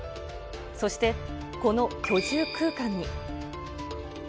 そしてこの居住空間に。